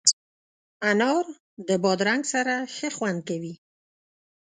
انار د بادرنګ سره ښه خوند کوي.